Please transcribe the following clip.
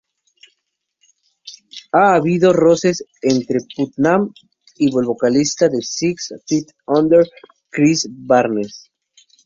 Ha habido roces entre Putnam y el vocalista de Six Feet Under, Chris Barnes.